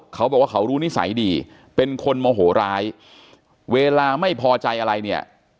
เขาบอกว่าเขารู้นิสัยดีเป็นคนโมโหร้ายเวลาไม่พอใจอะไรเนี่ย